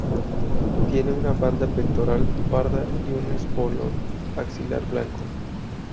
Tiene una banda pectoral parda y un espolón axilar blanco.